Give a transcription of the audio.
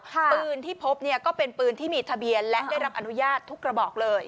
ปืนที่พบเนี่ยก็เป็นปืนที่มีทะเบียนและได้รับอนุญาตทุกกระบอกเลย